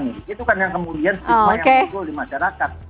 itu kan yang kemudian stigma yang muncul di masyarakat